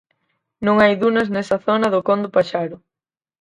Non hai dunas nesa zona do Con do Paxaro.